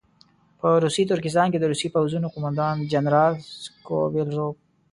په روسي ترکستان کې د روسي پوځونو قوماندان جنرال سکوبیلروف.